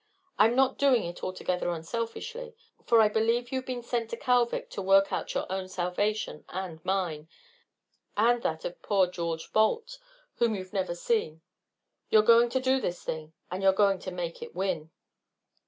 I'm not doing it altogether unselfishly, for I believe you've been sent to Kalvik to work out your own salvation and mine, and that of poor George Balt, whom you've never seen. You're going to do this thing, and you're going to make it win."